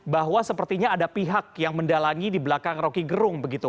bahwa sepertinya ada pihak yang mendalangi di belakang rocky gerung begitu